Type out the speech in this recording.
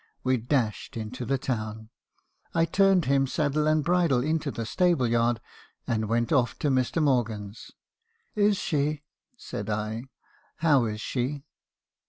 "We dashed into the town. I turned him, saddle and bridle, into the stable yard, and went off to Mr. Morgan's. "'Is she —?' saidl. 'How is she?'